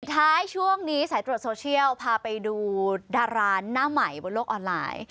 ท้ายช่วงนี้สายตรวจโซเชียลพาไปดูดาราหน้าใหม่บนโลกออนไลน์